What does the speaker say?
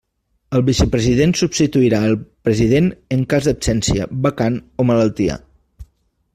El vicepresident substituirà el president en cas d'absència, vacant, o malaltia.